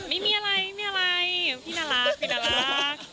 ไม่มีอะไรพี่น่ารัก